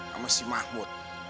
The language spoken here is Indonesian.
sama si mahmud